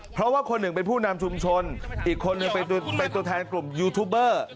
เพราะว่าคนหนึ่งเป็นผู้นำชุมชนอีกคนหนึ่งเป็นตัวแทนกลุ่มยูทูบเบอร์